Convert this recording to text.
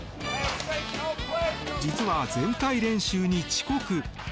実は全体練習に遅刻。